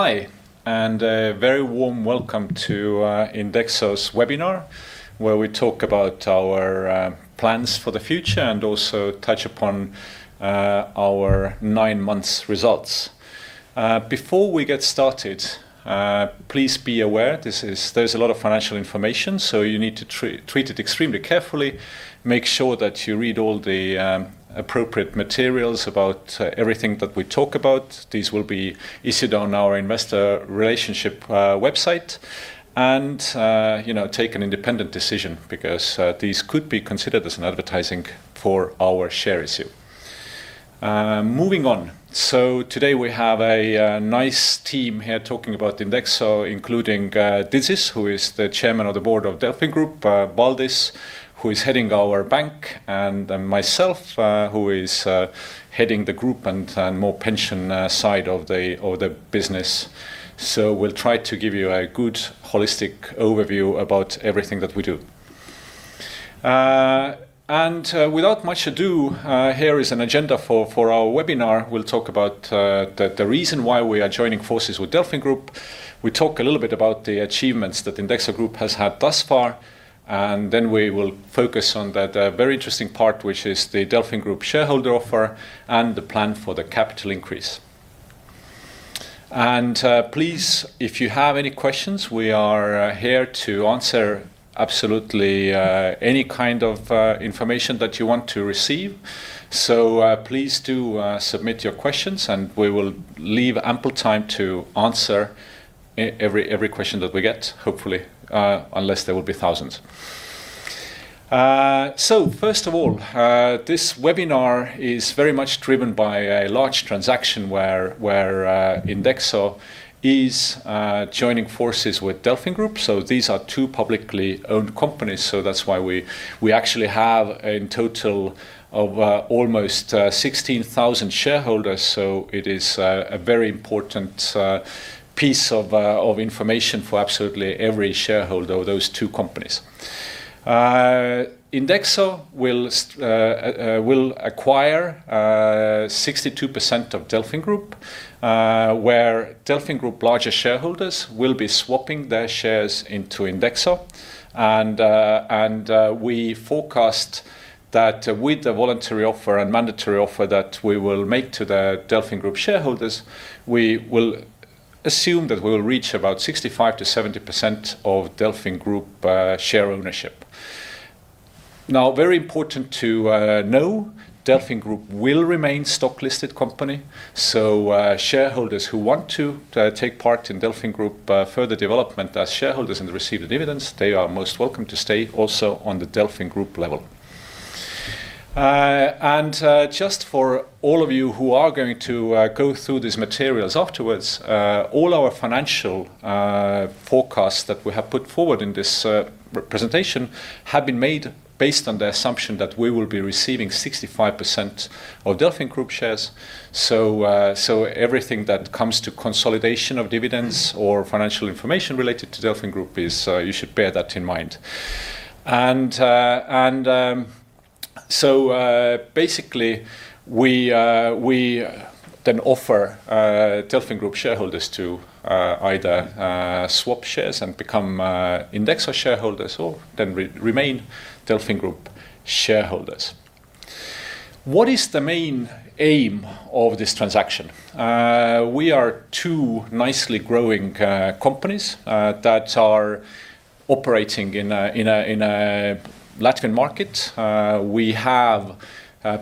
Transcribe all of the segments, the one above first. Hi, a very warm welcome to Indexo's webinar where we talk about our plans for the future and also touch upon our nine-months results. Before we get started, please be aware there's a lot of financial information, so you need to treat it extremely carefully. Make sure that you read all the appropriate materials about everything that we talk about. These will be issued on our investor relations website. Take an independent decision because this could be considered as an advertising for our share issue. Moving on. Today we have a nice team here talking about Indexo, including Didzis, who is the Chairman of the Board of DelfinGroup, Valdis, who is heading our bank, and myself, who is heading the group and more pension side of the business. We'll try to give you a good holistic overview about everything that we do. Without much ado, here is an agenda for our webinar. We'll talk about the reason why we are joining forces with DelfinGroup. We'll talk a little bit about the achievements that Indexo Group has had thus far, and then we will focus on that very interesting part, which is the DelfinGroup shareholder offer and the plan for the capital increase. Please, if you have any questions, we are here to answer absolutely any kind of information that you want to receive. Please do submit your questions, and we will leave ample time to answer every question that we get, hopefully, unless there will be thousands. First of all, this webinar is very much driven by a large transaction where Indexo is joining forces with DelfinGroup. These are two publicly owned companies, so that's why we actually have a total of almost 16,000 shareholders. It is a very important piece of information for absolutely every shareholder of those two companies. Indexo will acquire 62% of DelfinGroup, where DelfinGroup larger shareholders will be swapping their shares into Indexo. We forecast that with the voluntary offer and mandatory offer that we will make to the DelfinGroup shareholders, we will assume that we'll reach about 65%-70% of DelfinGroup share ownership. Now, very important to know, DelfinGroup will remain stock-listed company, so shareholders who want to take part in DelfinGroup further development as shareholders and receive the dividends, they are most welcome to stay also on the DelfinGroup level. Just for all of you who are going to go through these materials afterwards, all our financial forecasts that we have put forward in this presentation have been made based on the assumption that we will be receiving 65% of DelfinGroup shares. Everything that comes to consolidation of dividends or financial information related to DelfinGroup is, you should bear that in mind. Basically we then offer DelfinGroup shareholders to either swap shares and become Indexo shareholders or then remain DelfinGroup shareholders. What is the main aim of this transaction? We are two nicely growing companies that are operating in a Latvian market. We have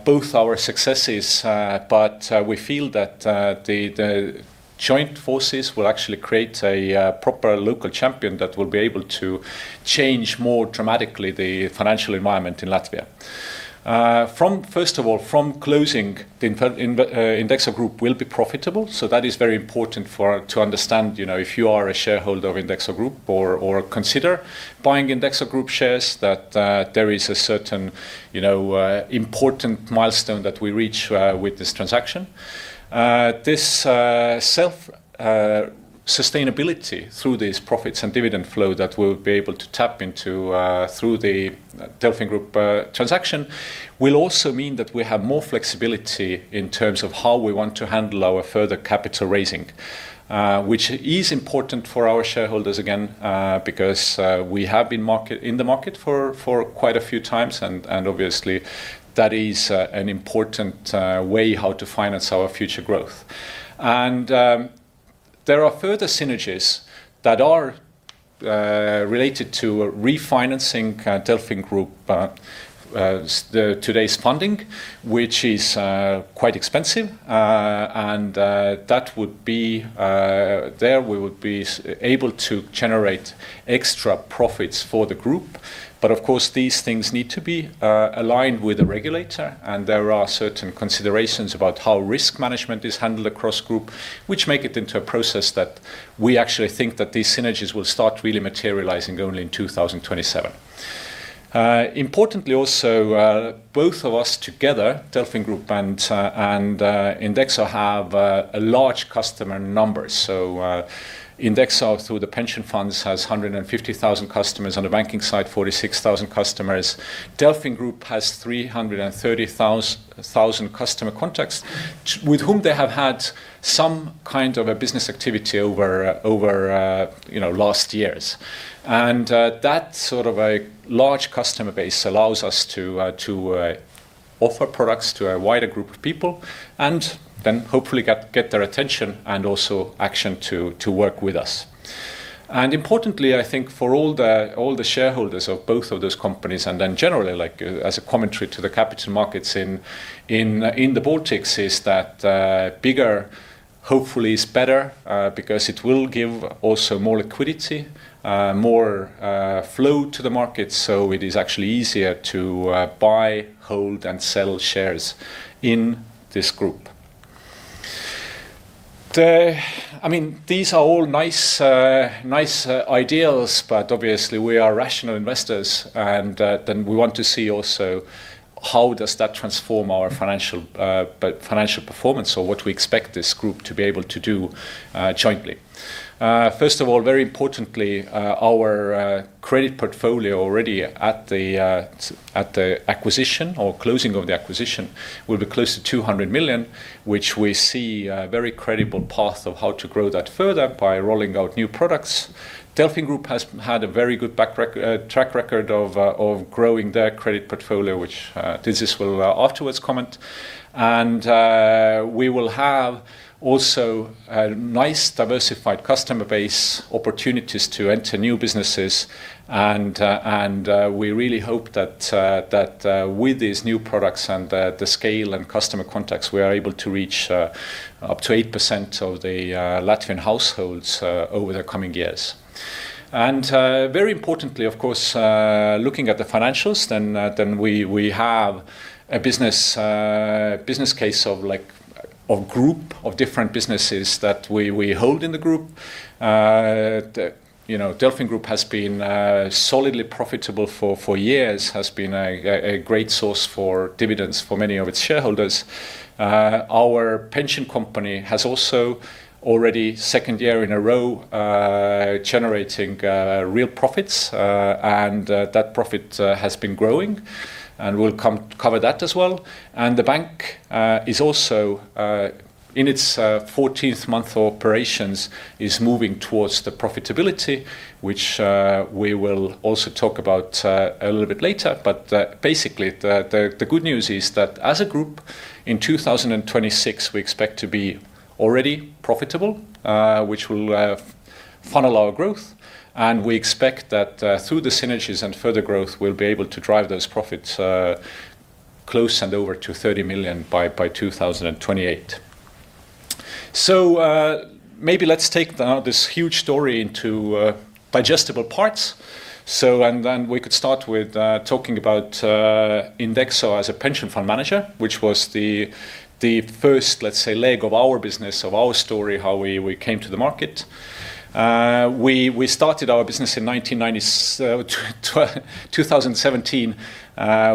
both our successes, but we feel that the joint forces will actually create a proper local champion that will be able to change more dramatically the financial environment in Latvia. First of all, from closing, Indexo Group will be profitable, so that is very important to understand if you are a shareholder of Indexo Group or consider buying Indexo Group shares, that there is a certain important milestone that we reach with this transaction. This self-sustainability through these profits and dividend flow that we'll be able to tap into through the DelfinGroup transaction will also mean that we have more flexibility in terms of how we want to handle our further capital raising, which is important for our shareholders again, because we have been in the market for quite a few times, and obviously that is an important way how to finance our future growth. There are further synergies that are related to refinancing DelfinGroup today's funding, which is quite expensive. There we would be able to generate extra profits for the group. Of course, these things need to be aligned with the regulator, and there are certain considerations about how risk management is handled across group, which make it into a process that we actually think that these synergies will start really materializing only in 2027. Importantly also both of us together, DelfinGroup and Indexo, have large customer numbers. Indexo through the pension funds has 150,000 customers. On the banking side, 46,000 customers. DelfinGroup has 330,000 customer contacts with whom they have had some kind of a business activity over last years. That sort of a large customer base allows us to offer products to a wider group of people, and then hopefully get their attention and also action to work with us. Importantly, I think for all the shareholders of both of those companies and then generally, as a commentary to the capital markets in the Baltics, is that bigger hopefully is better because it will give also more liquidity, more flow to the market. It is actually easier to buy, hold, and sell shares in this group. These are all nice ideals, but obviously we are rational investors, and then we want to see also how does that transform our financial performance or what we expect this group to be able to do jointly. First of all, very importantly, our credit portfolio already at the acquisition or closing of the acquisition will be close to 200 million, which we see a very credible path of how to grow that further by rolling out new products. DelfinGroup has had a very good track record of growing their credit portfolio, which Didzis will afterwards comment. We will have also a nice diversified customer base, opportunities to enter new businesses. We really hope that with these new products and the scale and customer contacts, we are able to reach up to 8% of the Latvian households over the coming years. Very importantly, of course, looking at the financials, then we have a business case of group of different businesses that we hold in the group. DelfinGroup has been solidly profitable for years, has been a great source for dividends for many of its shareholders. Our pension company has also already second year in a row generating real profits and that profit has been growing, and we'll cover that as well. The bank is also in its 14th month operations, is moving towards the profitability, which we will also talk about a little bit later. Basically, the good news is that as a group in 2026, we expect to be already profitable which will funnel our growth. We expect that through the synergies and further growth, we'll be able to drive those profits close and over to 30 million by 2028. Maybe let's take this huge story into digestible parts. Then we could start with talking about Indexo as a pension fund manager, which was the first, let's say, leg of our business, of our story, how we came to the market. We started our business in 2017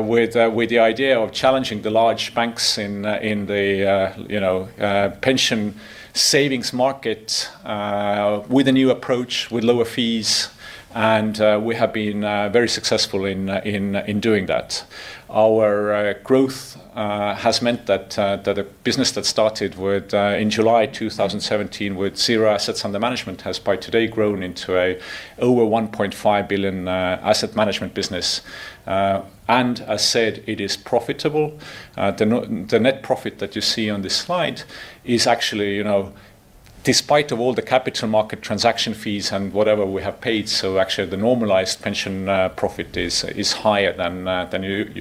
with the idea of challenging the large banks in the pension savings market with a new approach with lower fees. We have been very successful in doing that. Our growth has meant that a business that started in July 2017 with zero assets under management has by today grown into an over 1.5 billion asset management business. As said, it is profitable. The net profit that you see on this slide is actually despite of all the capital market transaction fees and whatever we have paid, so actually the normalized pension profit is higher than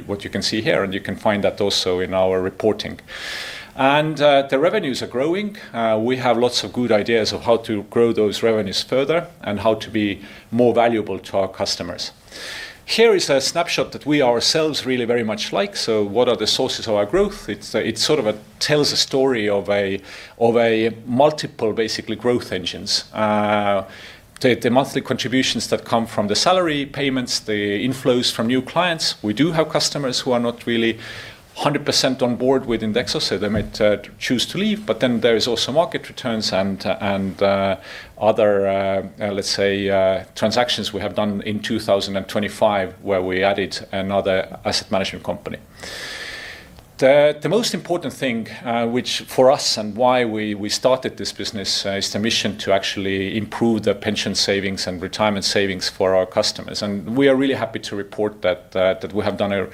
what you can see here, and you can find that also in our reporting. The revenues are growing. We have lots of good ideas of how to grow those revenues further and how to be more valuable to our customers. Here is a snapshot that we ourselves really very much like. What are the sources of our growth? It sort of tells a story of a multiple, basically, growth engines. The monthly contributions that come from the salary payments, the inflows from new clients. We do have customers who are not really 100% on board with Indexo, so they might choose to leave, but then there is also market returns and other, let's say, transactions we have done in 2025 where we added another asset management company. The most important thing for us and why we started this business is the mission to actually improve the pension savings and retirement savings for our customers. We are really happy to report that we have done,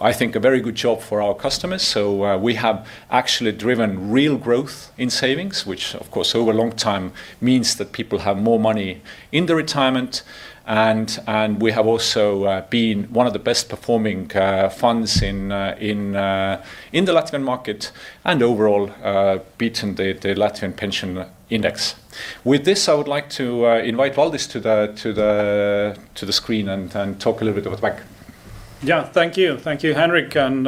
I think, a very good job for our customers. We have actually driven real growth in savings, which of course over a long time means that people have more money in their retirement. We have also been one of the best performing funds in the Latvian market and overall beaten the Latvian pension index. With this, I would like to invite Valdis to the screen and talk a little bit about the bank. Yeah. Thank you. Thank you, Henrik, and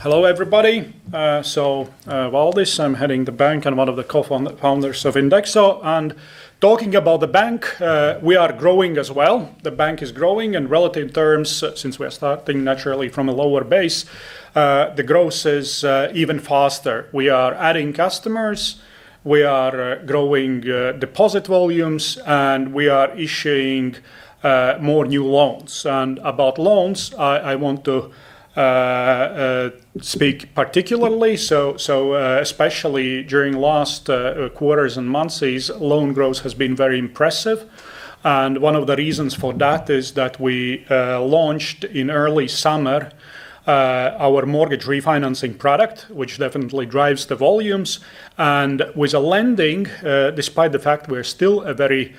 hello, everybody. Valdis, I'm heading the bank and one of the co-founders of Indexo. Talking about the bank, we are growing as well. The bank is growing in relative terms, since we are starting naturally from a lower base, the growth is even faster. We are adding customers, we are growing deposit volumes, and we are issuing more new loans. About loans, I want to speak particularly. Especially during last quarters and months, loan growth has been very impressive. One of the reasons for that is that we launched in early summer our mortgage refinancing product, which definitely drives the volumes. With lending, despite the fact we're still a very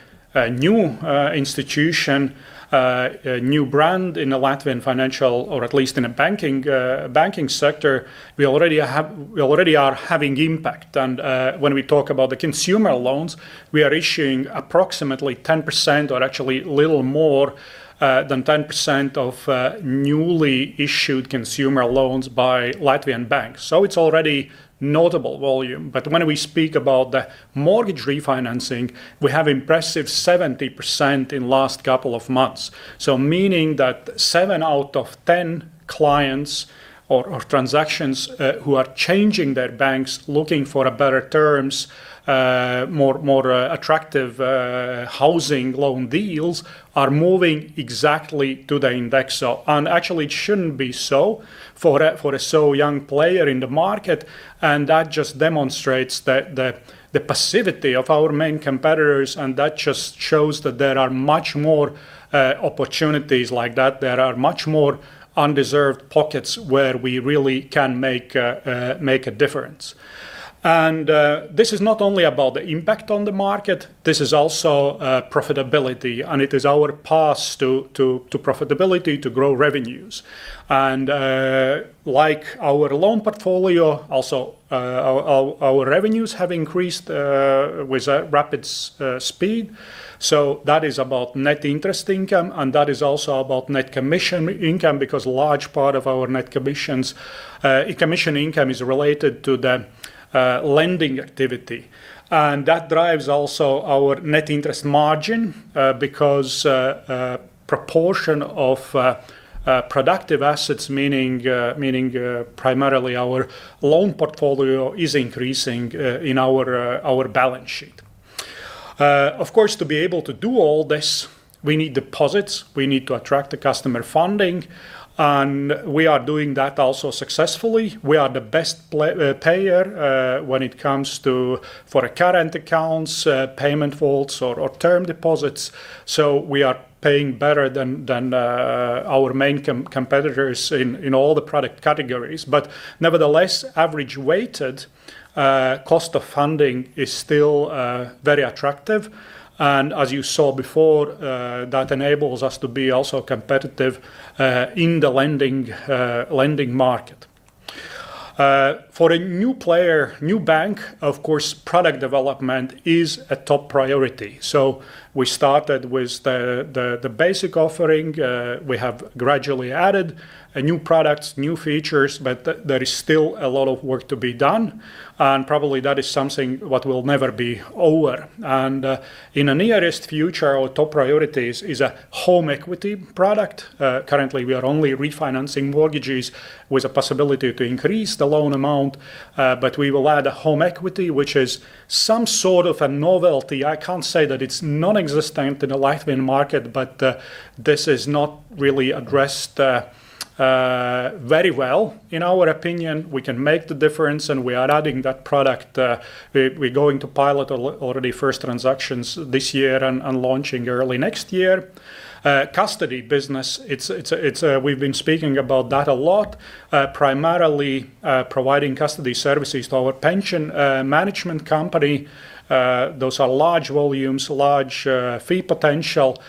new institution, a new brand in the Latvian financial or at least in the banking sector, we already are having impact. When we talk about the consumer loans, we are issuing approximately 10%, or actually a little more than 10% of newly issued consumer loans by Latvian banks. It's already notable volume. When we speak about the mortgage refinancing, we have impressive 70% in last couple of months. Meaning that seven out of 10 clients or transactions who are changing their banks, looking for better terms, more attractive housing loan deals, are moving exactly to the Indexo. Actually it shouldn't be so for a so young player in the market and that just demonstrates the passivity of our main competitors, and that just shows that there are much more opportunities like that. There are much more underserved pockets where we really can make a difference. This is not only about the impact on the market, this is also profitability and it is our path to profitability to grow revenues. Like our loan portfolio, also our revenues have increased with rapid speed. That is about net interest income and that is also about net commission income because large part of our net commission income is related to the lending activity. That drives also our net interest margin because proportion of productive assets, meaning primarily our loan portfolio, is increasing in our balance sheet. Of course, to be able to do all this, we need deposits, we need to attract the customer funding, and we are doing that also successfully. We are the best payer when it comes to current accounts, pa yment vaults or term deposits. We are paying better than our main competitors in all the product categories. Nevertheless, average weighted cost of funding is still very attractive and as you saw before, that enables us to be also competitive in the lending market. For a new player, new bank, of course, product development is a top priority. We started with the basic offering. We have gradually added new products, new features, but there is still a lot of work to be done and probably that is something what will never be over. In the nearest future, our top priorities is a home equity product. Currently, we are only refinancing mortgages with a possibility to increase the loan amount. We will add a home equity, which is some sort of a novelty. I can't say that it's non-existent in the Latvian market, but this is not really addressed very well in our opinion. We can make the difference and we are adding that product. We're going to pilot already first transactions this year and launching early next year. Custody business, we've been speaking about that a lot, primarily providing custody services to our pension management company. Those are large volumes, large fee potential.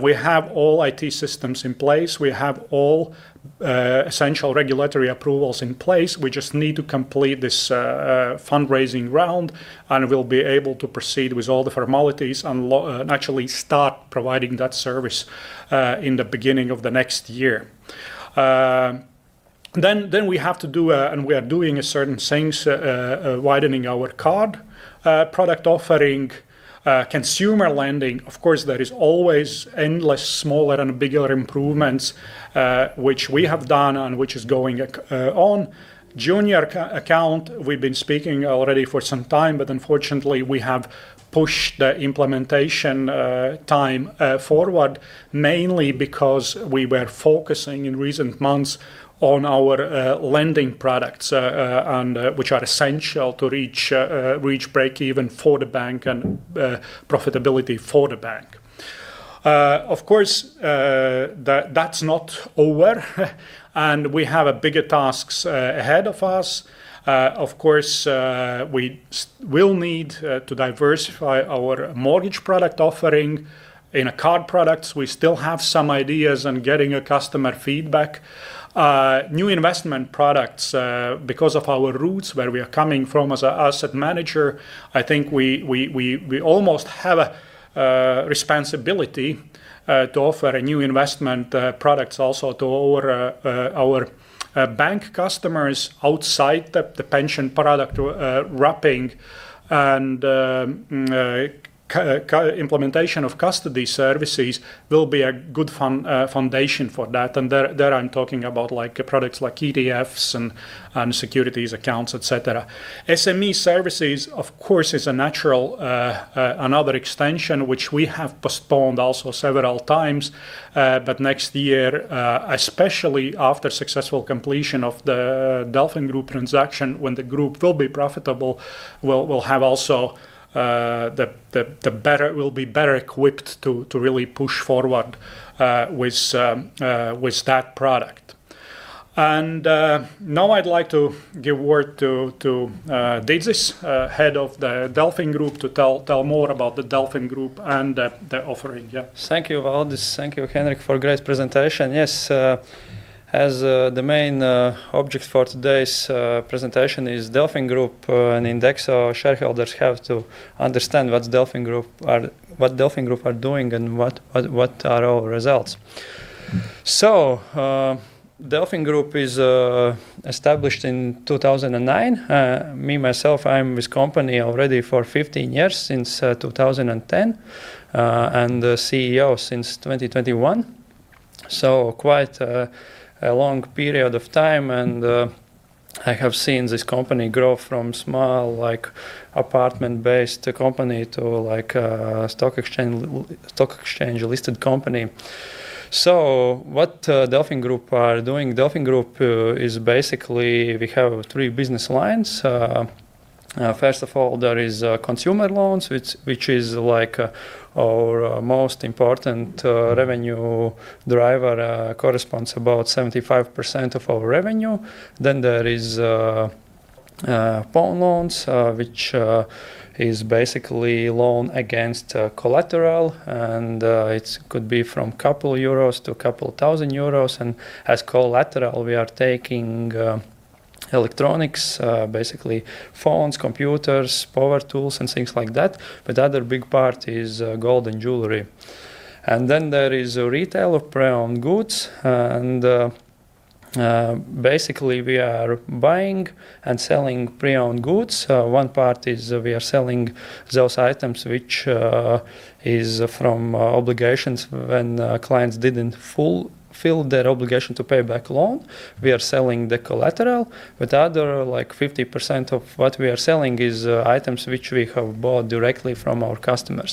We have all IT systems in place. We have all essential regulatory approvals in place. We just need to complete this fundraising round and we'll be able to proceed with all the formalities and actually start providing that service in the beginning of the next year. We have to do, and we are doing certain things, widening our card product offering. Consumer lending, of course, there is always endless smaller and bigger improvements, which we have done and which is going on. Junior account, we've been speaking already for some time, but unfortunately, we have pushed the implementation time forward mainly because we were focusing in recent months on our lending products, which are essential to reach breakeven for the bank and profitability for the bank. Of course, that's not over and we have bigger tasks ahead of us. Of course, we will need to diversify our mortgage product offering and card products. We still have some ideas and getting customer feedback. New investment products because of our roots where we are coming from as an asset manager, I think we almost have a responsibility to offer new investment products also to our bank customers outside the pension product wrapping and implementation of custody services will be a good foundation for that. There I'm talking about products like ETFs and securities accounts, et cetera. SME services, of course, is another extension which we have postponed also several times. Next year, especially after successful completion of the DelfinGroup transaction when the group will be profitable, we'll be better equipped to really push forward with that product. Now I'd like to give word to Didzis, Head of the DelfinGroup to tell more about the DelfinGroup and the offering. Yeah. Thank you, Valdis. Thank you, Henrik for great presentation. Yes. As the main object for today's presentation is DelfinGroup and Indexo shareholders have to understand what DelfinGroup are doing and what are our results. DelfinGroup is established in 2009. Me, myself, I'm with company already for 15 years, since 2010, and the CEO since 2021. Quite a long period of time and I have seen this company grow from small apartment-based company to a stock exchange-listed company. What DelfinGroup are doing, DelfinGroup is basically we have three business lines. First of all, there is consumer loans, which is our most important revenue driver, corresponds about 75% of our revenue. There is pawn loans, which is basically loan against collateral, and it could be from a couple Euros to a couple thousand Euros and as collateral, we are taking electronics, basically phones, computers, power tools and things like that. The other big part is gold and jewelry. There is retail of pre-owned goods. Basically, we are buying and selling pre-owned goods. One part is we are selling those items which is from obligations when clients didn't fill their obligation to pay back loan, we are selling the collateral, but other 50% of what we are selling is items which we have bought directly from our customers.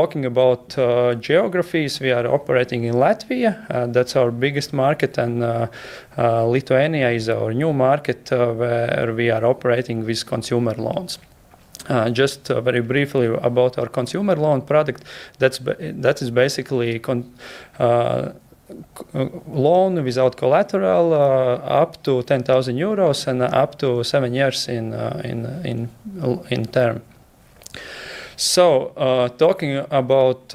Talking about geographies, we are operating in Latvia. That's our biggest market and Lithuania is our new market where we are operating with consumer loans. Just very briefly about our consumer loan product, that is basically loan without collateral up to 10,000 euros and up to seven years in term. Talking about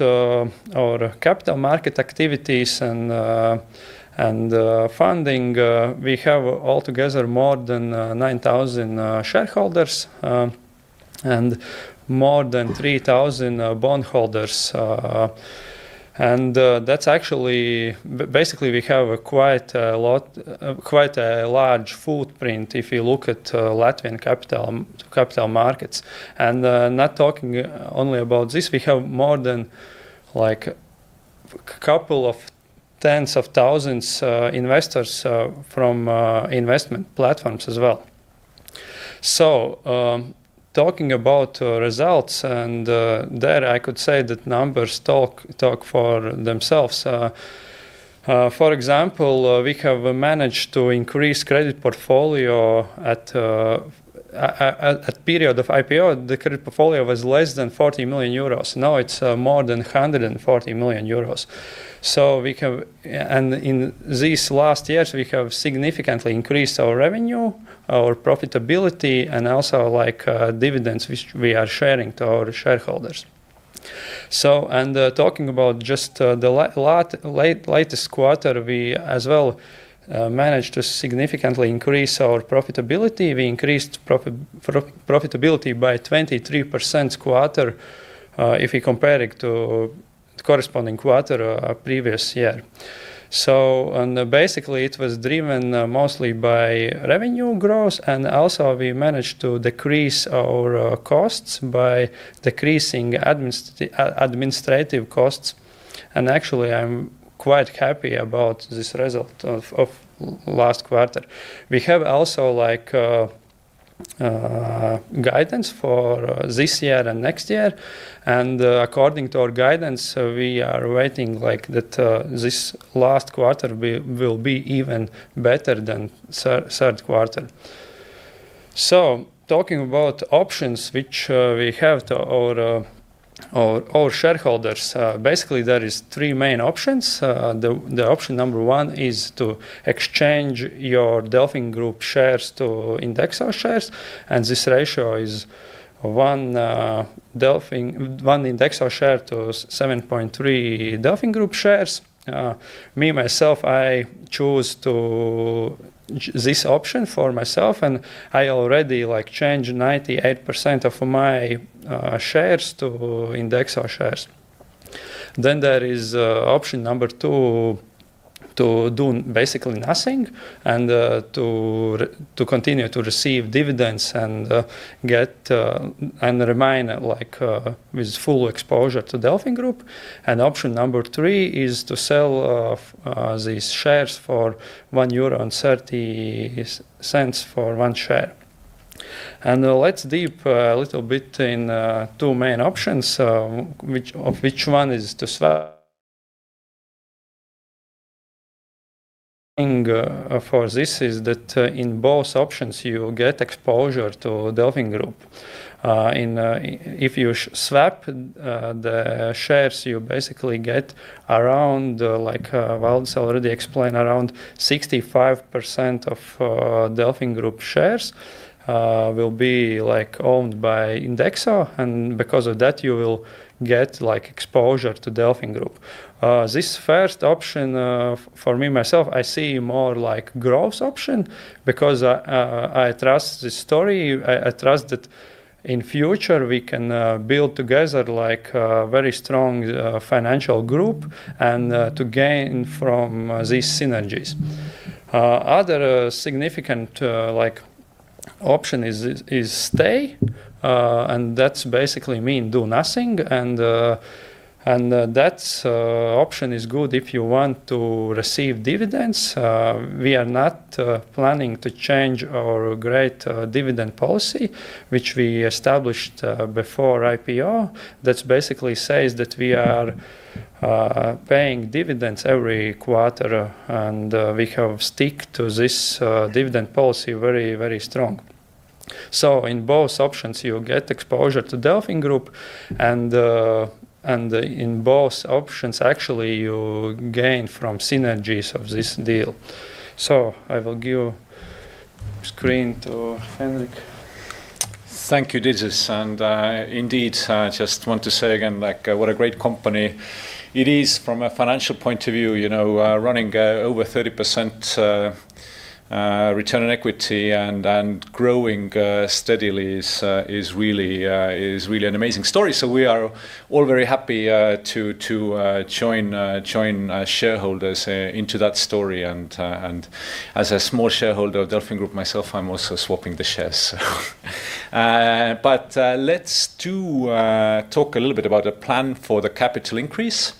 our capital market activities and funding, we have altogether more than 9,000 shareholders and more than 3,000 bondholders. Basically, we have quite a large footprint if you look at Latvian capital markets. Not talking only about this, we have more than a couple of tens of thousands investors from investment platforms as well. Talking about results and there I could say that numbers talk for themselves. For example, we have managed to increase credit portfolio. At period of IPO, the credit portfolio was less than 40 million euros. Now it's more than 140 million euros. In these last years, we have significantly increased our revenue, our profitability, and also dividends which we are sharing to our shareholders. Talking about just the latest quarter, we as well managed to significantly increase our profitability. We increased profitability by 23% quarter if you compare it to corresponding quarter previous year. Basically, it was driven mostly by revenue growth and also we managed to decrease our costs by decreasing administrative costs. Actually, I'm quite happy about this result of last quarter. We have also guidance for this year and next year. According to our guidance, we are waiting that this last quarter will be even better than third quarter. Talking about options which we have to all our shareholders. Basically, there are three main options. The option number one is to exchange your DelfinGroup shares to Indexo shares, and this ratio is one Indexo share:7.3 DelfinGroup shares. Me, myself, I choose this option for myself, and I already changed 98% of my shares to Indexo shares. There is option number two, to do basically nothing and to continue to receive dividends and remain with full exposure to DelfinGroup. Option number three is to sell these shares for 1.30 euro for one share. Let's dive a little bit into the two main options, of which one is to swap. The point is that in both options, you get exposure to DelfinGroup. If you swap the shares, you basically get around, Valdis already explained, around 65% of DelfinGroup shares will be owned by Indexo. And because of that, you will get exposure to DelfinGroup. This first option for me, myself, I see more like growth option because I trust the story. I trust that in future we can build together a very strong financial group and to gain from these synergies. Other significant option is stay, and that basically means do nothing, and that option is good if you want to receive dividends. We are not planning to change our great dividend policy, which we established before IPO, that basically says that we are paying dividends every quarter, and we have stuck to this dividend policy very strong. In both options, you get exposure to DelfinGroup, and in both options, actually, you gain from synergies of this deal. I will give screen to Henrik. Thank you, Didzis. Indeed, I just want to say again, what a great company it is from a financial point of view. Running over 30% return on equity and growing steadily is really an amazing story. We are all very happy to join shareholders into that story. As a small shareholder of DelfinGroup myself, I'm also swapping the shares. Let's do talk a little bit about the plan for the capital increase.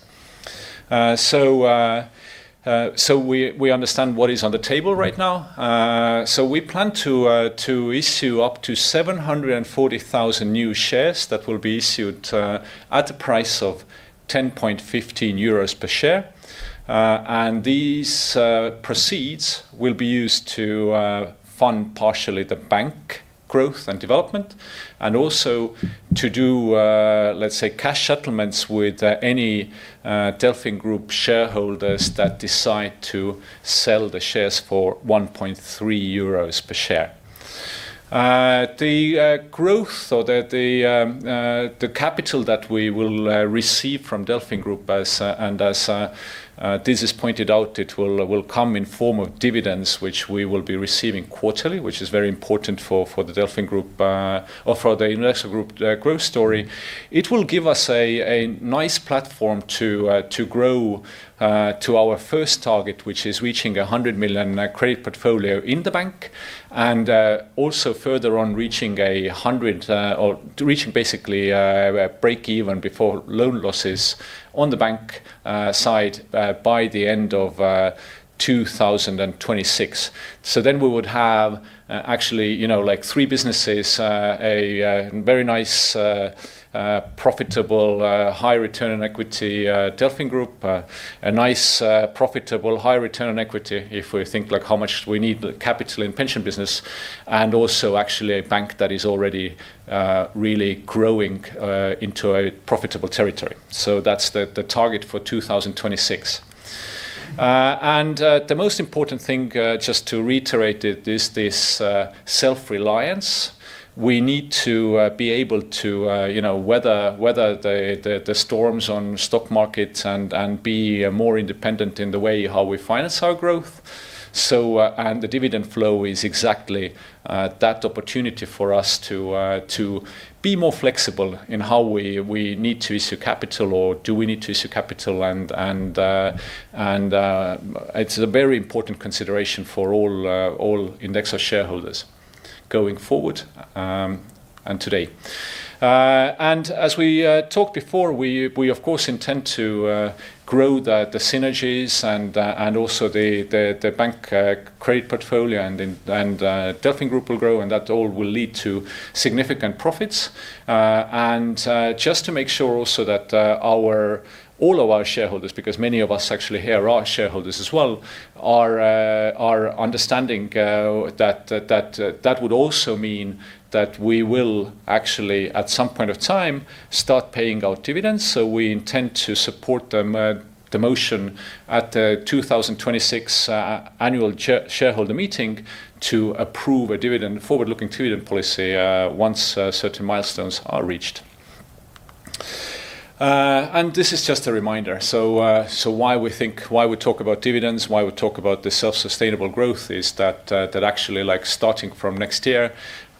We understand what is on the table right now. We plan to issue up to 740,000 new shares that will be issued at a price of 10.15 euros per share. These proceeds will be used to fund partially the bank growth and development, and also to do let's say cash settlements with any DelfinGroup shareholders that decide to sell the shares for 1.3 euros per share. The growth or the capital that we will receive from DelfinGroup as Didzis pointed out, it will come in form of dividends, which we will be receiving quarterly, which is very important for the Indexo Group growth story. It will give us a nice platform to grow to our first target, which is reaching 100 million credit portfolio in the bank and also further on reaching basically a break even before loan losses on the bank side by the end of 2026. We would have actually three businesses, a very nice profitable high return on equity DelfinGroup, a nice profitable high return on equity if we think how much we need the capital in pension business, and also actually a bank that is already really growing into a profitable territory. That's the target for 2026. The most important thing, just to reiterate it, is this self-reliance. We need to be able to weather the storms on stock markets and be more independent in the way how we finance our growth. The dividend flow is exactly that opportunity for us to be more flexible in how we need to issue capital or do we need to issue capital, and it's a very important consideration for all Indexo shareholders going forward, and today. As we talked before, we of course intend to grow the synergies and also the bank credit portfolio and DelfinGroup will grow, and that all will lead to significant profits. Just to make sure also that all of our shareholders, because many of us actually here are shareholders as well, are understanding that would also mean that we will actually, at some point of time, start paying out dividends. We intend to support the motion at the 2026 annual shareholder meeting to approve a forward-looking dividend policy once certain milestones are reached. This is just a reminder. Why we talk about dividends, why we talk about the self-sustainable growth is that actually starting from next year,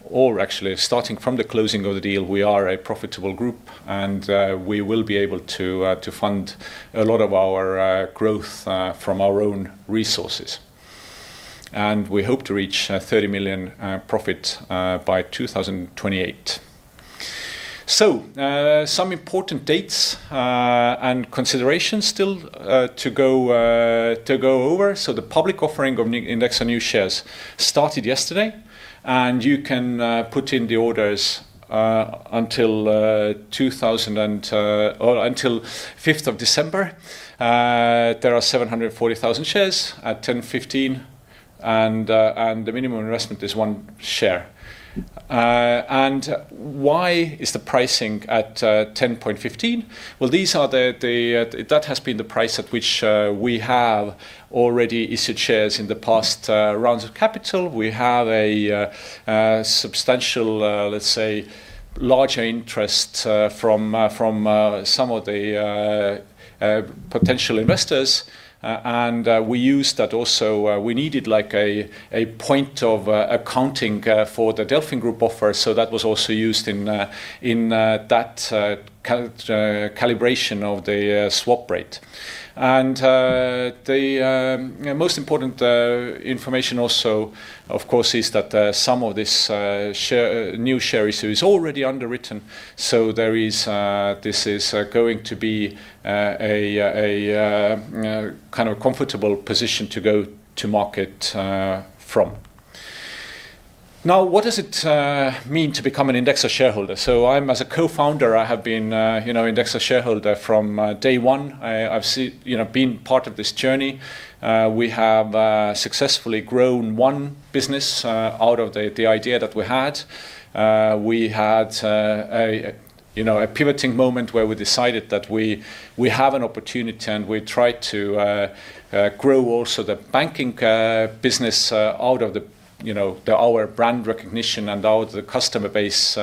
or actually starting from the closing of the deal, we are a profitable group and we will be able to fund a lot of our growth from our own resources. We hope to reach 30 million profit by 2028. Some important dates and considerations still to go over. The public offering of Indexo new shares started yesterday, and you can put in the orders until 5th of December. There are 740,000 shares at 10.15, and the minimum investment is one share. Why is the pricing at 10.15? Well, that has been the price at which we have already issued shares in the past rounds of capital. We have a substantial, let's say, larger interest from some of the potential investors. We use that also, we needed a point of accounting for the DelfinGroup offer. That was also used in that calibration of the swap rate. The most important information also, of course, is that some of this new share issue is already underwritten, so this is going to be a kind of comfortable position to go to market from. Now, what does it mean to become an Indexo shareholder? As a co-founder, I have been Indexo shareholder from day one. I've been part of this journey. We have successfully grown one business out of the idea that we had. We had a pivoting moment where we decided that we have an opportunity, and we try to grow also the banking business out of our brand recognition and out the customer base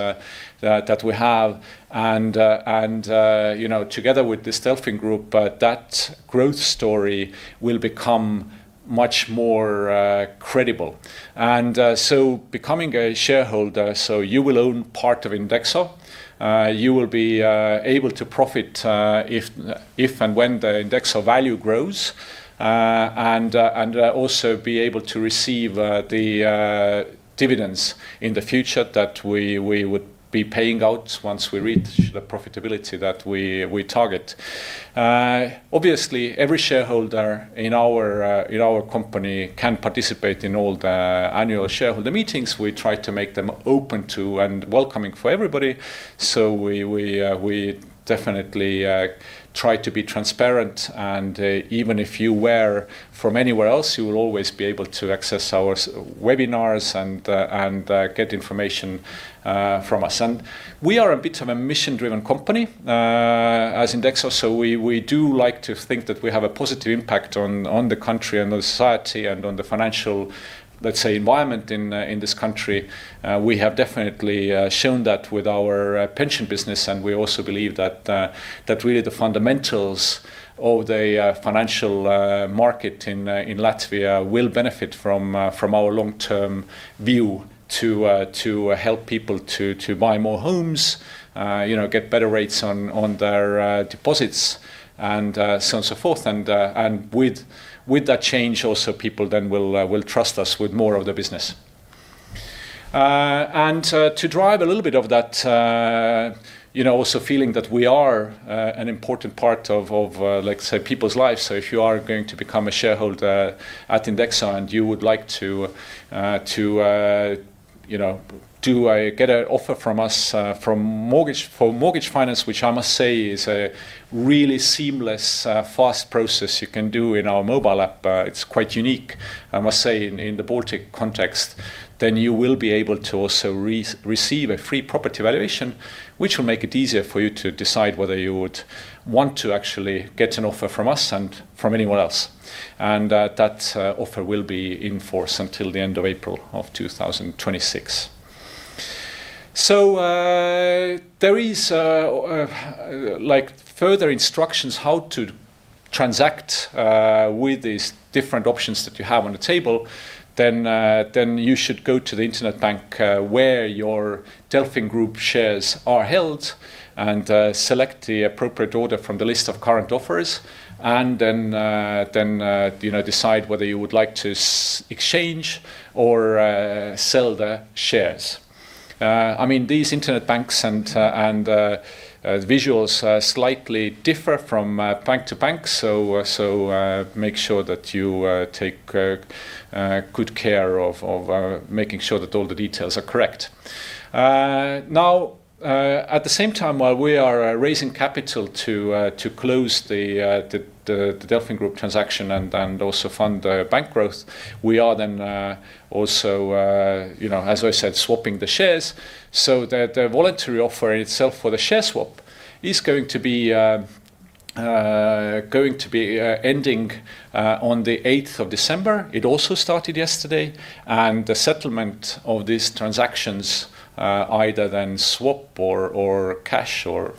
that we have. Together with this DelfinGroup, that growth story will become much more credible. Becoming a shareholder, so you will own part of Indexo. You will be able to profit if and when the Indexo value grows. Also be able to receive the dividends in the future that we would be paying out once we reach the profitability that we target. Obviously, every shareholder in our company can participate in all the annual shareholder meetings. We try to make them open to and welcoming for everybody. We definitely try to be transparent and even if you were from anywhere else, you will always be able to access our webinars and get information from us. We are a bit of a mission-driven company as Indexo, so we do like to think that we have a positive impact on the country and the society and on the financial, let's say, environment in this country. We have definitely shown that with our pension business. We also believe that really the fundamentals of the financial market in Latvia will benefit from our long-term view to help people to buy more homes, get better rates on their deposits and so on and so forth. With that change also, people then will trust us with more of their business. To drive a little bit of that also feeling that we are an important part of, like I said, people's lives. If you are going to become a shareholder at Indexo and you would like to get an offer from us for mortgage finance, which I must say is a really seamless, fast process you can do in our mobile app, it's quite unique, I must say, in the Baltic context, then you will be able to also receive a free property valuation, which will make it easier for you to decide whether you would want to actually get an offer from us and from anyone else. That offer will be in force until the end of April of 2026. There is further instructions how to transact with these different options that you have on the table, then you should go to the internet bank where your DelfinGroup shares are held and select the appropriate order from the list of current offers, and then decide whether you would like to exchange or sell the shares. These internet banks and visuals slightly differ from bank to bank, so make sure that you take good care of making sure that all the details are correct. Now, at the same time, while we are raising capital to close the DelfinGroup transaction and also fund the bank growth, we are then also as I said, swapping the shares so that the voluntary offer itself for the share swap is going to be ending on the 8th of December. It also started yesterday, and the settlement of these transactions either then swap or cash or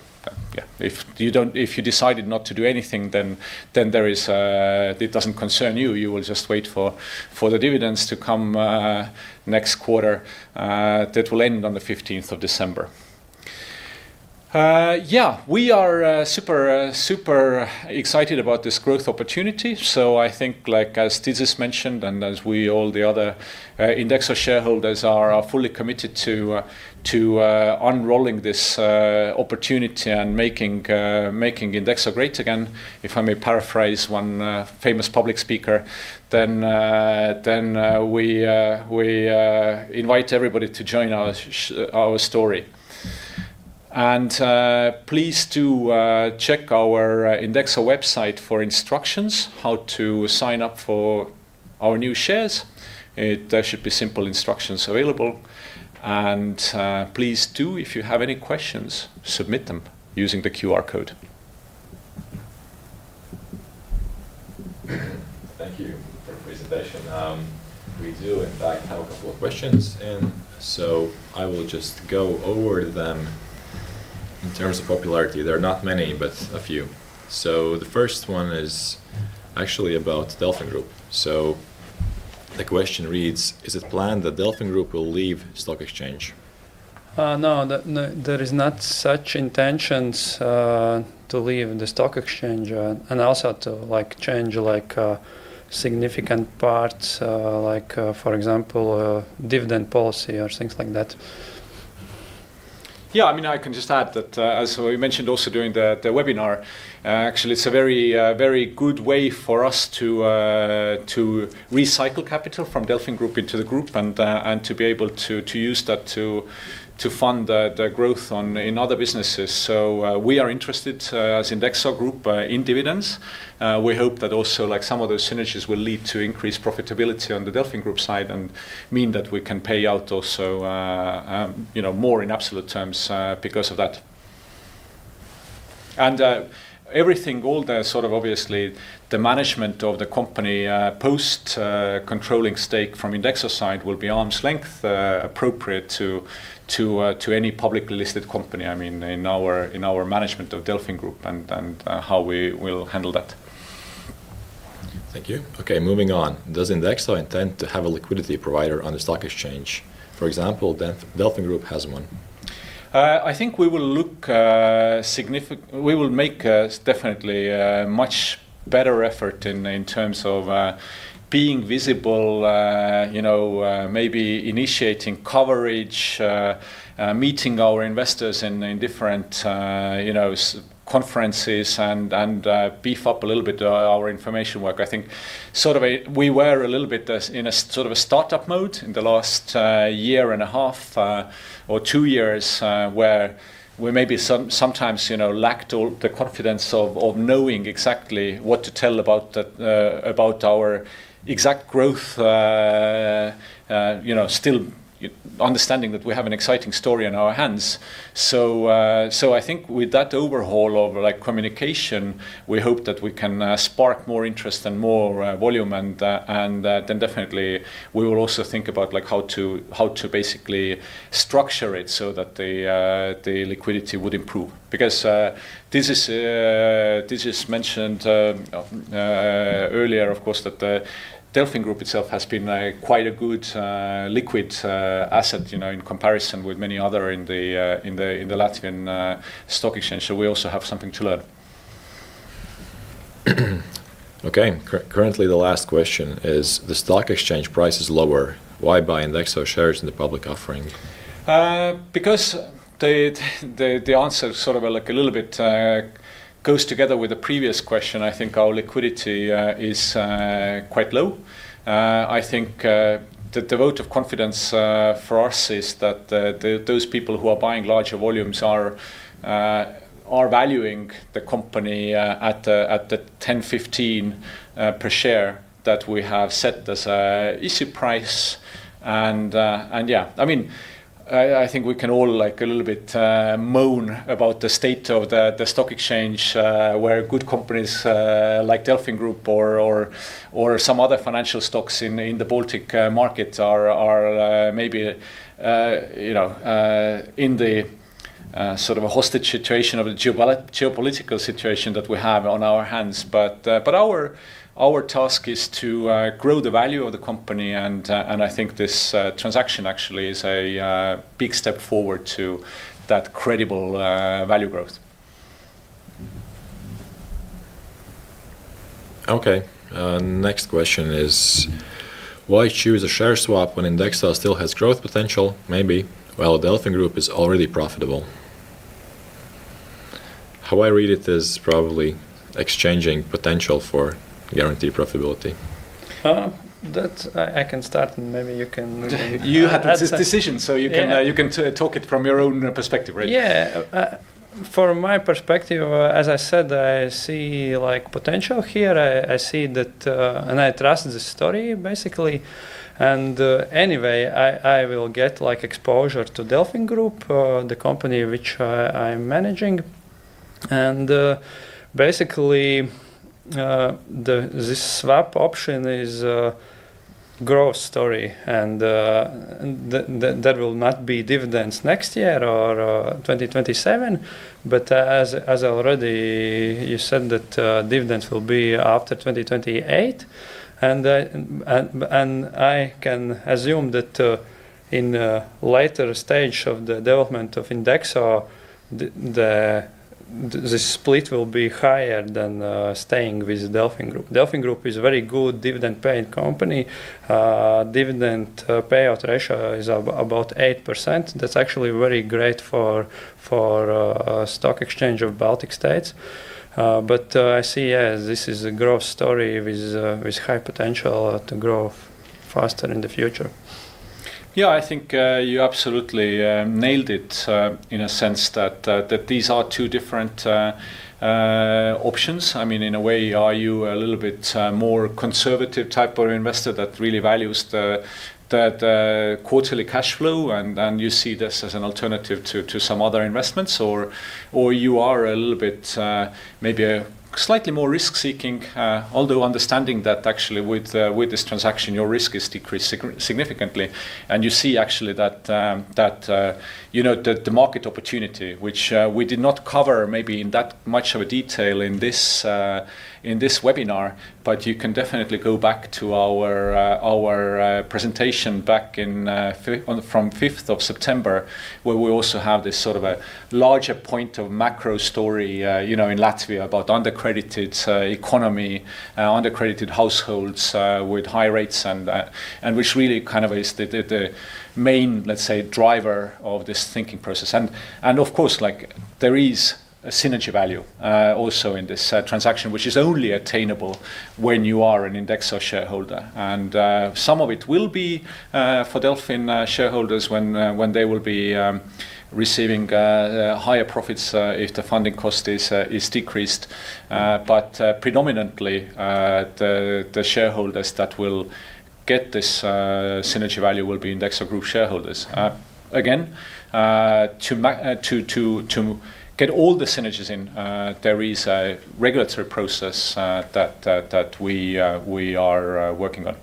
if you decided not to do anything, then it doesn't concern you. You will just wait for the dividends to come next quarter that will end on the 15th of December. Yeah. We are super excited about this growth opportunity. I think as Didzis mentioned, and as all the other Indexo shareholders are fully committed to unrolling this opportunity and making Indexo great again, if I may paraphrase one famous public speaker, then we invite everybody to join our story. Please do check our Indexo website for instructions how to sign up for our new shares. There should be simple instructions available. Please do, if you have any questions, submit them using the QR code. Thank you for the presentation. We do in fact have a couple of questions, and so I will just go over them in terms of popularity. There are not many, but a few. The first one is actually about DelfinGroup. The question reads: Is it planned that DelfinGroup will leave stock exchange? No. There are no such intentions to leave the stock exchange and also to change significant parts, for example, dividend policy or things like that. Yeah. I can just add that, as we mentioned also during the webinar, actually, it's a very good way for us to recycle capital from DelfinGroup into the group and to be able to use that to fund the growth in other businesses. We are interested as Indexo Group in dividends. We hope that also some of those synergies will lead to increased profitability on the DelfinGroup side and mean that we can pay out also more in absolute terms because of that. Everything, all the sort of obviously the management of the company post controlling stake from Indexo side will be arm's length appropriate to any publicly listed company, in our management of DelfinGroup and how we will handle that. Thank you. Okay, moving on. Does Indexo intend to have a liquidity provider on the stock exchange? For example, DelfinGroup has one. I think we will make definitely a much better effort in terms of being visible, maybe initiating coverage, meeting our investors in different conferences and beef up a little bit our information work. I think we were a little bit in a sort of a startup mode in the last year and a half or two years, where we maybe sometimes lacked all the confidence of knowing exactly what to tell about our exact growth, still understanding that we have an exciting story on our hands. I think with that overhaul of communication, we hope that we can spark more interest and more volume and then definitely we will also think about how to basically structure it so that the liquidity would improve. Because Didzis mentioned earlier, of course, that DelfinGroup itself has been quite a good liquid asset in comparison with many other in Nasdaq Riga Stock Exchange, so we also have something to learn. Okay. Currently, the last question is: The stock exchange price is lower. Why buy Indexo shares in the public offering? Because the answer sort of a little bit goes together with the previous question. I think our liquidity is quite low. I think the vote of confidence for us is that those people who are buying larger volumes are valuing the company at the 10.15 per share that we have set as issue price and yeah. I think we can all a little bit moan about the state of the stock exchange, where good companies like DelfinGroup or some other financial stocks in the Baltic market are maybe in the sort of a hostage situation of a geopolitical situation that we have on our hands. Our task is to grow the value of the company, and I think this transaction actually is a big step forward to that credible value growth. Okay. Next question is: Why choose a share swap when Indexo still has growth potential, maybe, while DelfinGroup is already profitable? How I read it is probably exchanging potential for guaranteed profitability. That I can start and maybe you can. You had this decision, so you can talk about it from your own perspective, right? Yeah. From my perspective, as I said, I see potential here. I see that and I trust the story, basically. Anyway, I will get exposure to DelfinGroup, the company which I'm managing. Basically, this swap option is a growth story, and there will not be dividends next year or 2027. As you already said that dividends will be after 2028, and I can assume that in a later stage of the development of Indexo, the split will be higher than staying with DelfinGroup. DelfinGroup is a very good dividend-paying company. Dividend payout ratio is about 8%. That's actually very great for stock exchange of Baltic states. I see, yeah, this is a growth story with high potential to grow faster in the future. Yeah, I think you absolutely nailed it in a sense that these are two different options. In a way, are you a little bit more conservative type of investor that really values the quarterly cash flow, and you see this as an alternative to some other investments? Or you are a little bit maybe slightly more risk-seeking although understanding that actually with this transaction, your risk is decreased significantly and you see actually that the market opportunity, which we did not cover maybe in that much of a detail in this webinar, but you can definitely go back to our presentation back from 5th of September, where we also have this sort of a larger point of macro story in Latvia about under-credited economy, under-credited households with high rates and which really is the main, let's say, driver of this thinking process. Of course, there is a synergy value also in this transaction, which is only attainable when you are an Indexo shareholder. Some of it will be for Delfin shareholders when they will be receiving higher profits if the funding cost is decreased. Predominantly, the shareholders that will get this synergy value will be Indexo Group shareholders. Again, to get all the synergies in, there is a regulatory process that we are working on.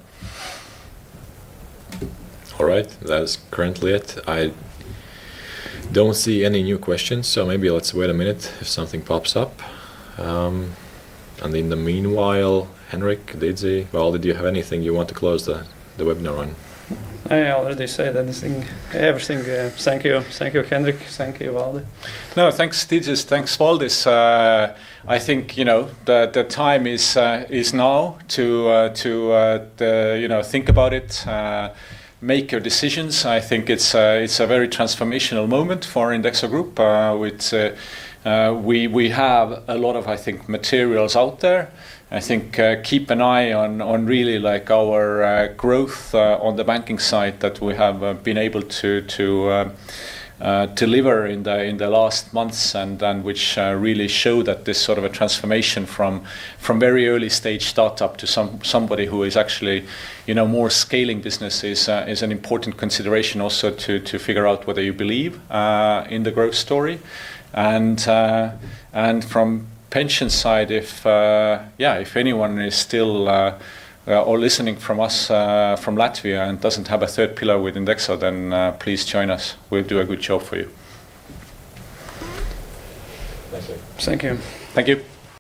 All right. That is currently it. I don't see any new questions, so maybe let's wait a minute if something pops up. In the meanwhile, Henrik, Didzi, Valdi, do you have anything you want to close the webinar on? I already said everything. Thank you. Thank you, Henrik. Thank you, Valdi. No, thanks, Didzis. Thanks, Valdis. I think the time is now to think about it, make your decisions. I think it's a very transformational moment for Indexo Group. We have a lot of, I think, materials out there. I think keep an eye on really our growth on the banking side that we have been able to deliver in the last months and which really show that this sort of a transformation from very early stage startup to somebody who is actually more scaling business is an important consideration also to figure out whether you believe in the growth story. From pension side, if anyone is still or listening from us from Latvia and doesn't have a third pillar with Indexo, then please join us. We'll do a good job for you. Thank you. Thank you.